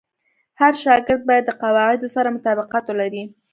هر شاګرد باید د قواعدو سره مطابقت ولري.